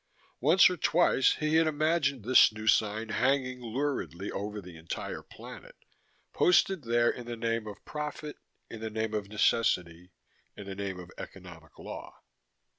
Once or twice he had imagined this new sign hanging luridly over the entire planet, posted there in the name of profit, in the name of necessity, in the name of economic law.